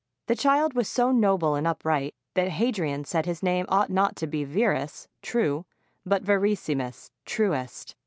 The child was so noble and upright that Hadrian said his name ought not to be Verus (true), but Verissimus (truest).